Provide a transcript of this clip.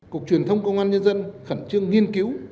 cục truyền thông công an nhân dân khẩn trương nghiên cứu